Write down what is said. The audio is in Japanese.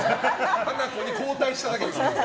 ハナコに交代しただけです。